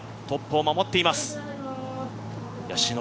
トップを守っています。